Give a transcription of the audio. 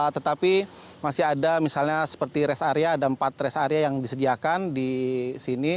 tetapi masih ada misalnya seperti rest area ada empat rest area yang disediakan di sini